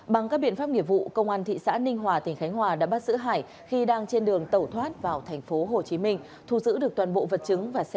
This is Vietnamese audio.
bằng các biện pháp nghiệp vụ công an thị xã ninh hòa tp khánh hòa đã bắt giữ hải khi đang trên đường tẩu thoát vào tp hồ chí minh thu giữ được toàn bộ vật chứng và xe máy gây án